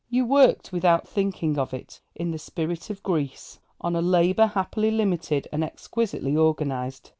You worked without thinking of it, in the spirit of Greece, on a labour happily limited, and exquisitely organised.